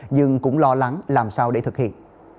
nhưng cũng lo lắng làm sao để thực hiện